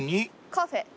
カフェ。